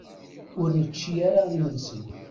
Ur nečči ara imensi.